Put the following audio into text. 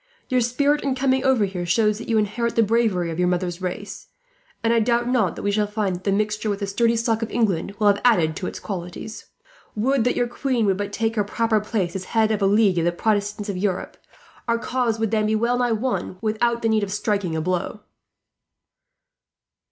Your spirit in coming over here shows that you inherit the bravery of your mother's race, and I doubt not that we shall find that the mixture with the sturdy stock of England will have added to its qualities. Would that your queen would but take her proper place, as head of a league of the Protestants of Europe. Our cause would then be well nigh won, without the need of striking a blow."